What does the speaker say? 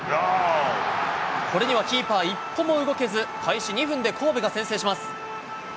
これにはキーパー、一歩も動けず、開始２分で神戸が先制します。